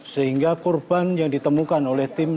sehingga korban yang ditemukan oleh tim